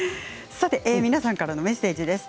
皆さんからのメッセージです。